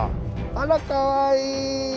あらかわいい。